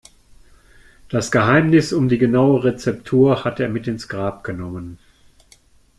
Das Geheimnis um die genaue Rezeptur hat er mit ins Grab genommen.